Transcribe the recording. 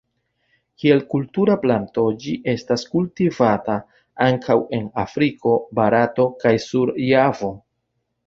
Kiel kultura planto ĝi estas kultivata ankaŭ en Afriko, Barato kaj sur Javo.